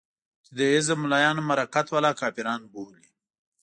چې د حزب ملايان هم حرکت والا کافران بولي.